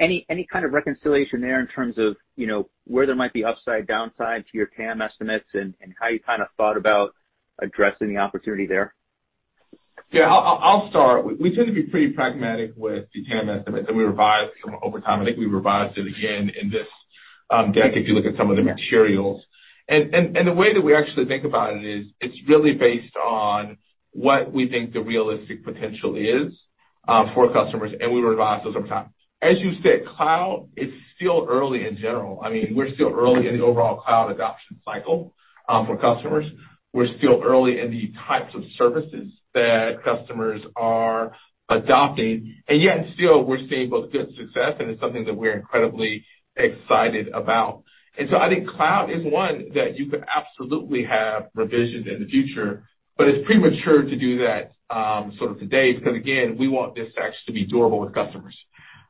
Any kind of reconciliation there in terms of, you know, where there might be upside, downside to your TAM estimates and how you kind of thought about addressing the opportunity there? Yeah, I'll start. We tend to be pretty pragmatic with the TAM estimates, and we revise them over time. I think we revised it again in this deck if you look at some of the materials. The way that we actually think about it is it's really based on what we think the realistic potential is, for customers, and we revise those over time. As you said, cloud, it's still early in general. I mean, we're still early in the overall cloud adoption cycle, for customers. We're still early in the types of services that customers are adopting, and yet still we're seeing both good success and it's something that we're incredibly excited about. I think cloud is one that you could absolutely have revisions in the future, but it's premature to do that, sort of today, because again, we want this actually to be durable with customers.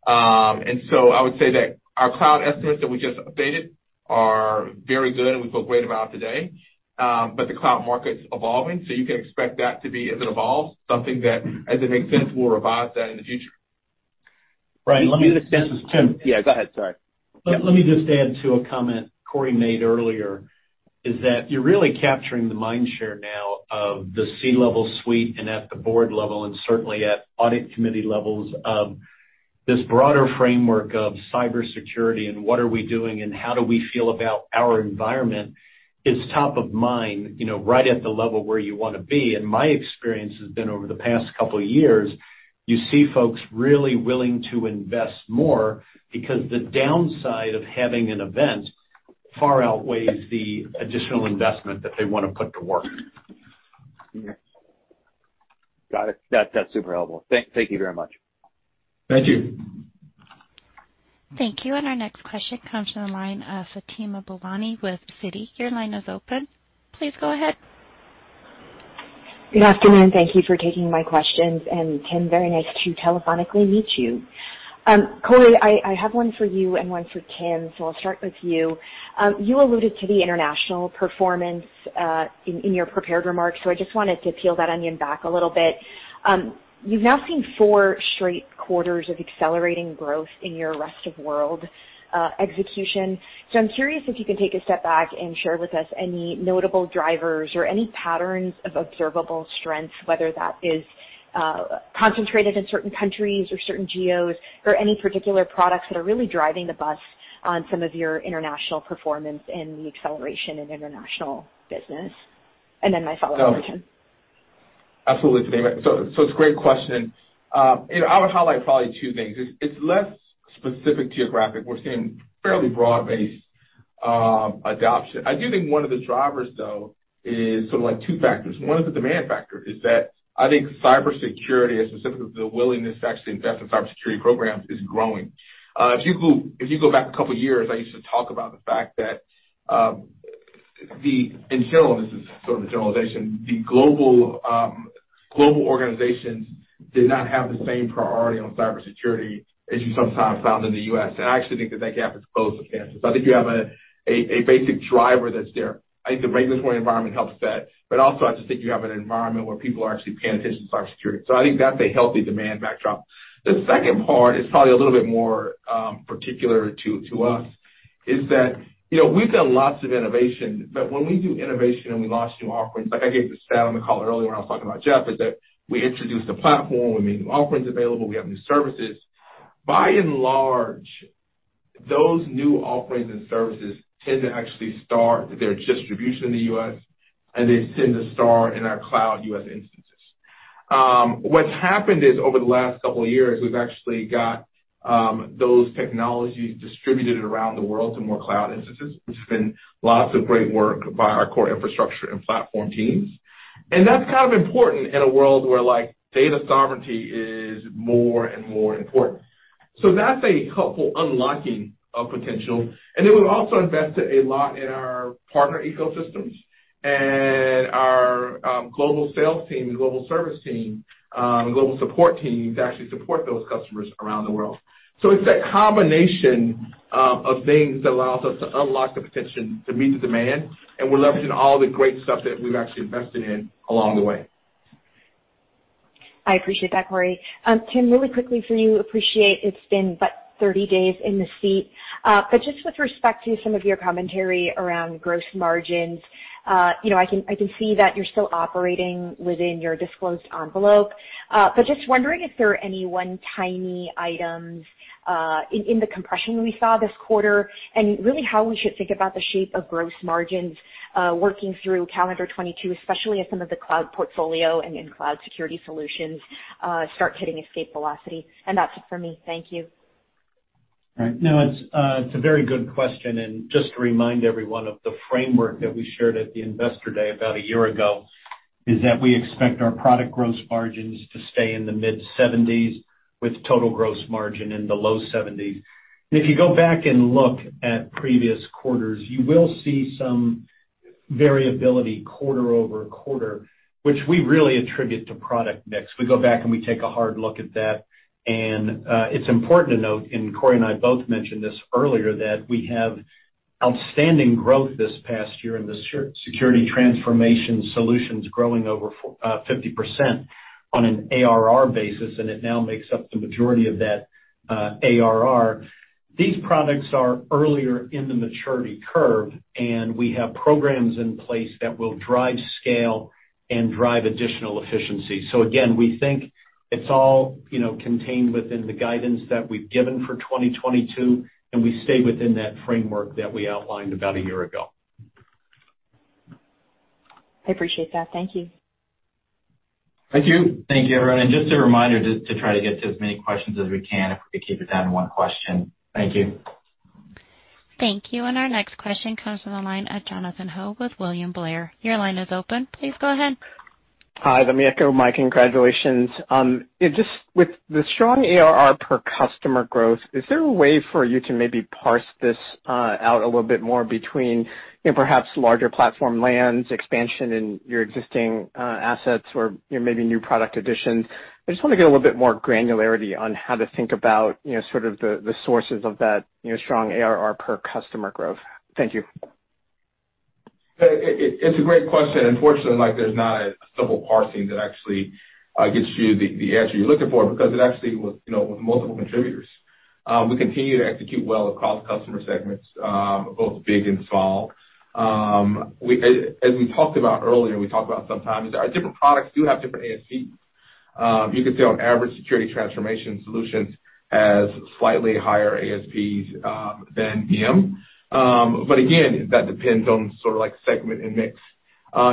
I would say that our cloud estimates that we just updated are very good and we feel great about today. The cloud market's evolving, so you can expect that to be, as it evolves, something that, as it makes sense, we'll revise that in the future. Right. Yeah, go ahead. Sorry. Let me just add to a comment Corey made earlier, is that you're really capturing the mind share now of the C-level suite and at the board level, and certainly at audit committee levels of this broader framework of cybersecurity and what are we doing and how do we feel about our environment is top of mind, you know, right at the level where you wanna be. My experience has been over the past couple of years, you see folks really willing to invest more because the downside of having an event. Far outweighs the additional investment that they wanna put to work. Got it. That's super helpful. Thank you very much. Thank you. Thank you. Our next question comes from the line of Fatima Boolani with Citi. Your line is open. Please go ahead. Good afternoon. Thank you for taking my questions, and Tim, very nice to telephonically meet you. Corey, I have one for you and one for Tim, I'll start with you. You alluded to the international performance in your prepared remarks, so I just wanted to peel that onion back a little bit. You've now seen four straight quarters of accelerating growth in your rest of world execution. I'm curious if you can take a step back and share with us any notable drivers or any patterns of observable strengths, whether that is concentrated in certain countries or certain geos, or any particular products that are really driving the bus on some of your international performance and the acceleration in international business. My follow-up for Tim. Absolutely, Fatima. It's a great question. I would highlight probably two things. It's less specific geographic. We're seeing fairly broad-based adoption. I do think one of the drivers, though, is sort of like two factors. One is the demand factor, is that I think cybersecurity, and specifically the willingness to actually invest in cybersecurity programs, is growing. If you go back a couple years, I used to talk about the fact that in general, this is sort of a generalization, the global organizations did not have the same priority on cybersecurity as you sometimes found in the U.S. I actually think that gap has closed with hindsight. I think you have a basic driver that's there. I think the regulatory environment helps that, but also I just think you have an environment where people are actually paying attention to cybersecurity. I think that's a healthy demand backdrop. The second part is probably a little bit more particular to us, is that, you know, we've done lots of innovation, but when we do innovation and we launch new offerings, like I gave the stat on the call earlier when I was talking about Jeff, is that we introduce a platform with new offerings available, we have new services. By and large, those new offerings and services tend to actually start their distribution in the U.S., and they tend to start in our cloud U.S. instances. What's happened is, over the last couple years, we've actually got those technologies distributed around the world to more cloud instances, which has been lots of great work by our core infrastructure and platform teams. That's kind of important in a world where, like, data sovereignty is more and more important. That's a helpful unlocking of potential. Then we've also invested a lot in our partner ecosystems and our global sales team, global service team, global support team to actually support those customers around the world. It's that combination of things that allows us to unlock the potential to meet the demand, and we're leveraging all the great stuff that we've actually invested in along the way. I appreciate that, Corey. Tim, really quickly for you. I appreciate it's been but 30 days in the seat. But just with respect to some of your commentary around gross margins, you know, I can see that you're still operating within your disclosed envelope. But just wondering if there are any one-time items in the compression we saw this quarter, and really how we should think about the shape of gross margins working through calendar 2022, especially as some of the cloud portfolio and in-cloud security solutions start hitting escape velocity. That's it for me. Thank you. All right. No, it's a very good question, and just to remind everyone of the framework that we shared at the Investor Day about a year ago, is that we expect our product gross margins to stay in the mid-70s, with total gross margin in the low 70s. If you go back and look at previous quarters, you will see some variability quarter-over-quarter, which we really attribute to product mix. We go back and we take a hard look at that. It's important to note, and Corey and I both mentioned this earlier, that we have outstanding growth this past year in the security transformation solutions growing over 50% on an ARR basis, and it now makes up the majority of that ARR. These products are earlier in the maturity curve, and we have programs in place that will drive scale and drive additional efficiency. Again, we think it's all, you know, contained within the guidance that we've given for 2022, and we stay within that framework that we outlined about a year ago. I appreciate that. Thank you. Thank you. Thank you, everyone. Just a reminder to try to get to as many questions as we can if we could keep it down to one question. Thank you. Thank you. Our next question comes from the line of Jonathan Ho with William Blair. Your line is open. Please go ahead. Hi, let me echo my congratulations. Just with the strong ARR per customer growth, is there a way for you to maybe parse this out a little bit more between perhaps larger platform lands, expansion in your existing assets or, you know, maybe new product additions? I just wanna get a little bit more granularity on how to think about, sort of the sources of that strong ARR per customer growth. Thank you. It's a great question. Unfortunately, like, there's not a simple parsing that actually gets you the answer you're looking for, because it actually was, you know, with multiple contributors. We continue to execute well across customer segments, both big and small. As we talked about earlier, we talk about sometimes our different products do have different ASP. You could say on average, security transformation solutions have slightly higher ASPs than VM. Again, that depends on sort of like segment and mix.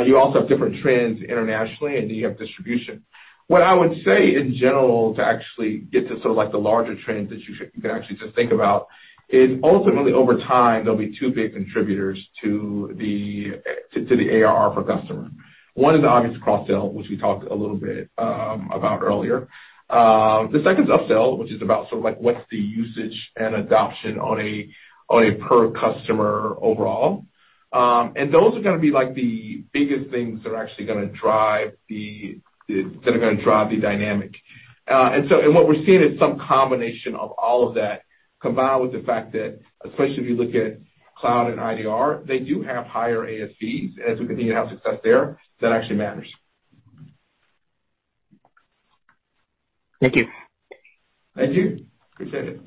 You also have different trends internationally, and then you have distribution. What I would say in general to actually get to sort of like the larger trends that you can actually just think about is ultimately over time, there'll be two big contributors to the ARR per customer. One is obvious cross-sell, which we talked a little bit about earlier. The second is upsell, which is about sort of like what's the usage and adoption on a per customer overall. Those are gonna be like the biggest things that are actually gonna drive the dynamic. What we're seeing is some combination of all of that, combined with the fact that especially if you look at cloud and IDR, they do have higher ASPs. As we continue to have success there, that actually matters. Thank you. Thank you. Appreciate it.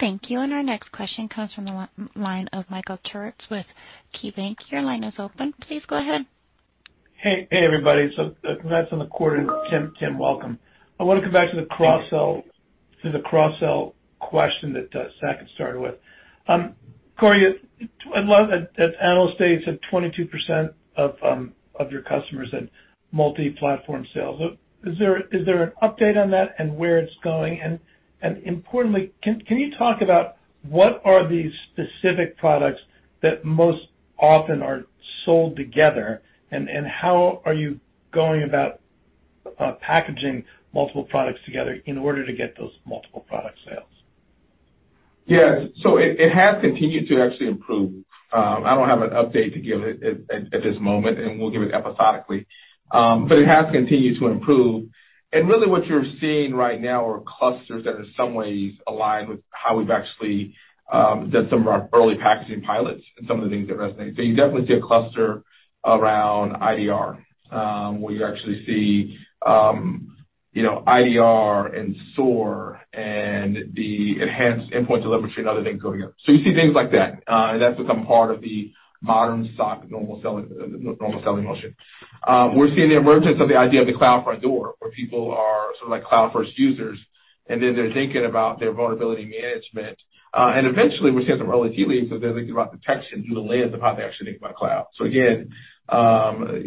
Thank you. Our next question comes from the line of Michael Turits with KeyBanc. Your line is open. Please go ahead. Hey. Hey, everybody. Congrats on the quarter. Tim, welcome. I wanna come back to the cross-sell question that Saket had started with. Corey, at Analyst Day, you said 22% of your customers had multi-platform sales. Is there an update on that and where it's going? Importantly, can you talk about what are the specific products that most often are sold together, and how are you going about packaging multiple products together in order to get those multiple product sales? Yeah. It has continued to actually improve. I don't have an update to give at this moment, and we'll give it episodically. It has continued to improve. Really what you're seeing right now are clusters that in some ways align with how we've actually done some of our early packaging pilots and some of the things that resonate. You definitely see a cluster around IDR, where you actually see, you know, IDR and SOAR and the enhanced endpoint delivery and other things going on. You see things like that, and that's become part of the modern SOC normal selling motion. We're seeing the emergence of the idea of the cloud front door, where people are sort of like cloud-first users, and then they're thinking about their vulnerability management. Eventually we're seeing some early tea leaves as they're thinking about detection through the lens of how they actually think about cloud. Again,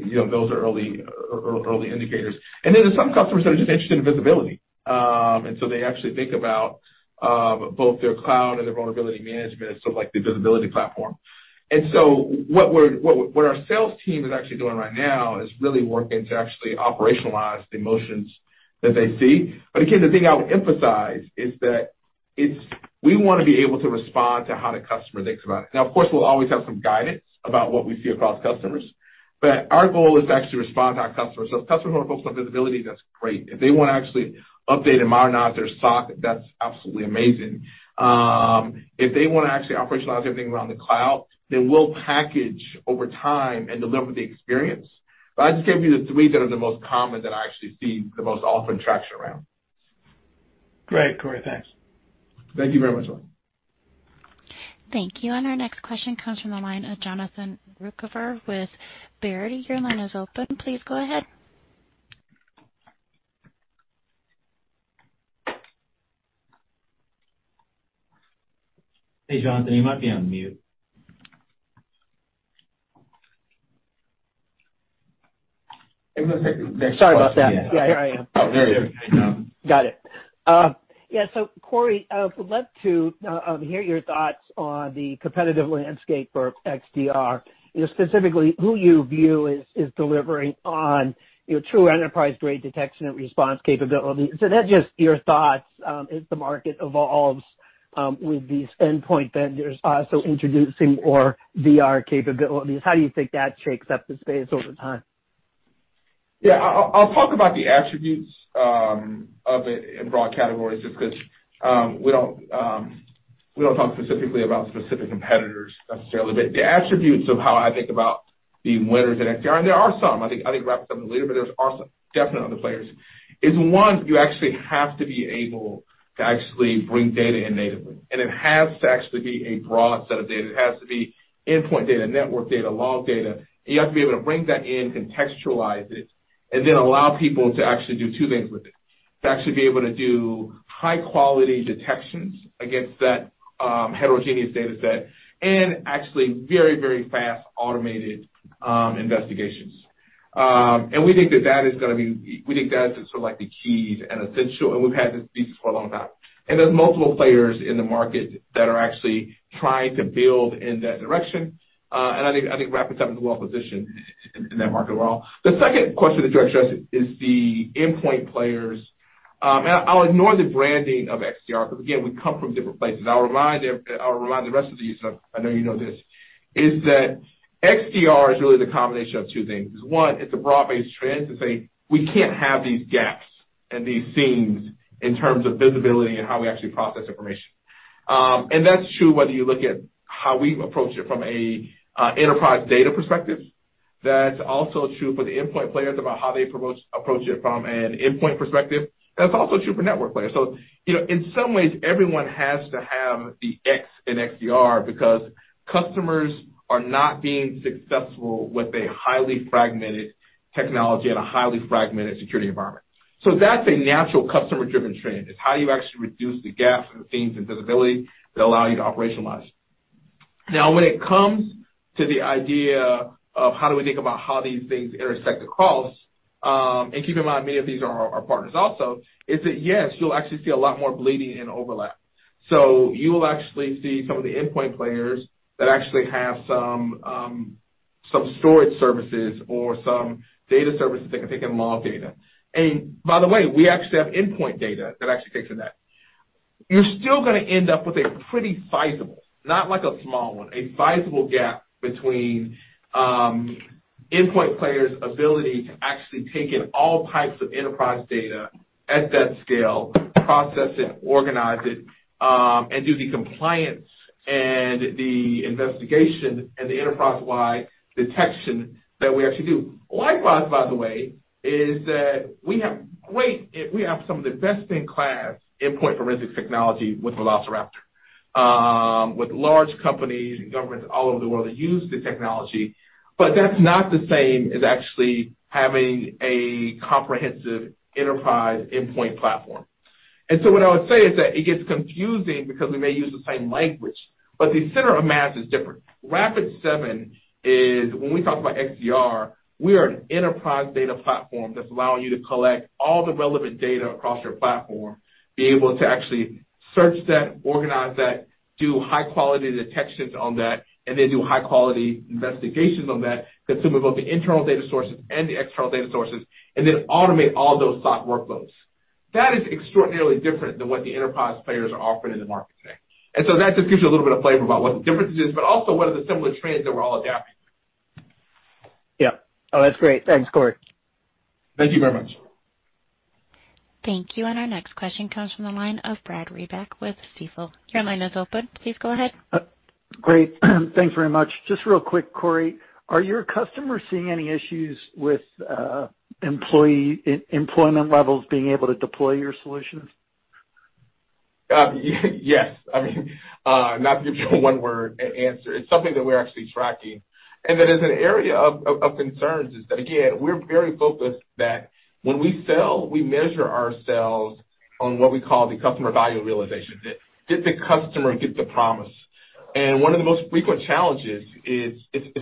you know, those are early indicators. Then there's some customers that are just interested in visibility. They actually think about both their cloud and their vulnerability management as sort of like the visibility platform. What our sales team is actually doing right now is really working to actually operationalize the motions that they see. Again, the thing I would emphasize is that it's we wanna be able to respond to how the customer thinks about it. Now, of course, we'll always have some guidance about what we see across customers, but our goal is to actually respond to our customers. If customers wanna focus on visibility, that's great. If they wanna actually update and modernize their SOC, that's absolutely amazing. If they wanna actually operationalize everything around the cloud, then we'll package over time and deliver the experience. I just gave you the three that are the most common that I actually see the most often tracks around. Great, Corey. Thanks. Thank you very much. Thank you. Our next question comes from the line of Jonathan Ruykhaver with Baird. Your line is open. Please go ahead. Hey, Jonathan, you might be on mute. Sorry about that. Yeah, here I am. Oh, there you go. Got it. Yeah, Corey, would love to hear your thoughts on the competitive landscape for XDR, you know, specifically who you view is delivering on true enterprise-grade detection and response capabilities. That's just your thoughts as the market evolves with these endpoint vendors also introducing more VM capabilities, how do you think that shakes up the space over time? Yeah. I'll talk about the attributes of it in broad categories, just 'cause we don't talk specifically about specific competitors necessarily. The attributes of how I think about the winners in XDR, and there are some, I think Rapid7 is a leader, but there are some definitely other players, is one, you actually have to be able to actually bring data in natively, and it has to actually be a broad set of data. It has to be endpoint data, network data, log data, and you have to be able to bring that in, contextualize it, and then allow people to actually do two things with it. To actually be able to do high-quality detections against that heterogeneous data set and actually very, very fast automated investigations. We think that is sort of like the key to an essential, and we've had this thesis for a long time. There's multiple players in the market that are actually trying to build in that direction. I think Rapid7 is well positioned in that market well. The second question that you addressed is the endpoint players. I'll ignore the branding of XDR because, again, we come from different places. I'll remind them, I'll remind the rest of you, so I know you know this, is that XDR is really the combination of two things. One, it's a broad-based trend to say we can't have these gaps and these seams in terms of visibility and how we actually process information. That's true whether you look at how we've approached it from an enterprise data perspective. That's also true for the endpoint players about how they approach it from an endpoint perspective. That's also true for network players. You know, in some ways, everyone has to have the X in XDR because customers are not being successful with a highly fragmented technology and a highly fragmented security environment. That's a natural customer-driven trend, is how do you actually reduce the gaps and the seams and visibility that allow you to operationalize? Now, when it comes to the idea of how do we think about how these things intersect across, and keep in mind many of these are our partners also, is that yes, you'll actually see a lot more blending and overlap. You will actually see some of the endpoint players that actually have some storage services or some data services that can take in log data. By the way, we actually have endpoint data that actually takes in that. You're still gonna end up with a pretty sizable, not like a small one, a sizable gap between endpoint players' ability to actually take in all types of enterprise data at that scale, process it, organize it, and do the compliance and the investigation and the enterprise-wide detection that we actually do. Likewise, by the way, we have some of the best-in-class endpoint forensics technology with Velociraptor, with large companies and governments all over the world that use the technology. But that's not the same as actually having a comprehensive enterprise endpoint platform. What I would say is that it gets confusing because we may use the same language, but the center of mass is different. Rapid7 is when we talk about XDR, we are an enterprise data platform that's allowing you to collect all the relevant data across your platform, be able to actually search that, organize that, do high-quality detections on that, and then do high-quality investigations on that, consuming both the internal data sources and the external data sources, and then automate all those SOC workloads. That is extraordinarily different than what the enterprise players are offering in the market today. That just gives you a little bit of flavor about what the difference is, but also what are the similar trends that we're all adapting. Yeah. Oh, that's great. Thanks, Corey. Thank you very much. Thank you. Our next question comes from the line of Brad Reback with Stifel. Your line is open. Please go ahead. Great. Thanks very much. Just real quick, Corey, are your customers seeing any issues with employment levels being able to deploy your solutions? Yes. I mean, not to give you a one-word answer. It's something that we're actually tracking. That is an area of concern is that, again, we're very focused that when we sell, we measure ourselves on what we call the customer value realization. Did the customer get the promise? One of the most frequent challenges is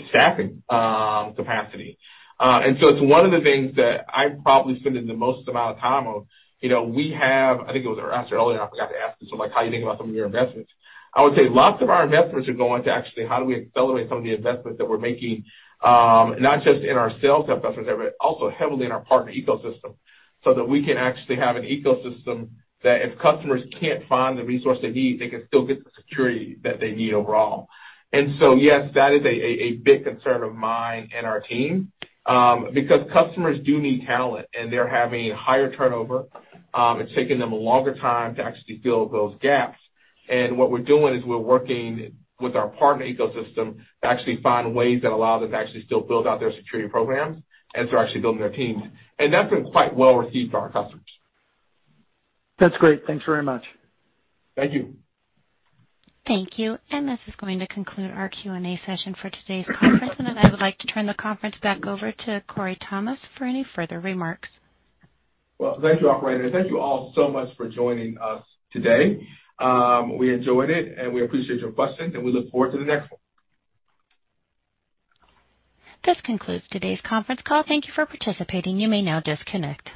staffing capacity. It's one of the things that I probably spend the most amount of time on. You know, I think it was asked earlier, and I forgot to answer this one, like, how we think about some of our investments. I would say lots of our investments are going to actually how do we accelerate some of the investments that we're making, not just in our sales investments, but also heavily in our partner ecosystem, so that we can actually have an ecosystem that if customers can't find the resource they need, they can still get the security that they need overall. Yes, that is a big concern of mine and our team, because customers do need talent and they're having higher turnover. It's taking them a longer time to actually fill those gaps. What we're doing is we're working with our partner ecosystem to actually find ways that allow us to actually still build out their security programs as they're actually building their teams. That's been quite well received by our customers. That's great. Thanks very much. Thank you. Thank you. This is going to conclude our Q&A session for today's conference. I would like to turn the conference back over to Corey Thomas for any further remarks. Well, thank you, operator. Thank you all so much for joining us today. We enjoyed it, and we appreciate your questions, and we look forward to the next one. This concludes today's conference call. Thank you for participating. You may now disconnect.